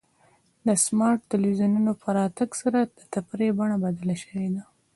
د سمارټ ټلویزیونونو په راتګ سره د تفریح بڼه بدله شوې ده.